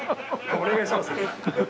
お願いしますよ。